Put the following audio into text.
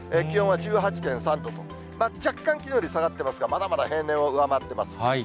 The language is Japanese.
気温は１８．３度と、若干きのうより下がってますが、まだまだ平年を上回っています。